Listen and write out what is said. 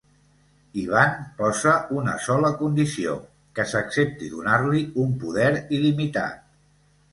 Ivan posa una sola condició: que s'accepti donar-li un poder il·limitat.